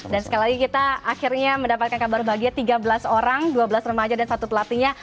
dan sekali lagi kita akhirnya mendapatkan kabar bahagia tiga belas orang dua belas remaja dan satu pelatihnya